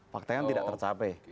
fakta yang tidak tercapai